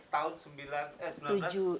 tahun sembilan belas eh sembilan belas